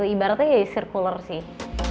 ibaratnya ya cirkuler sih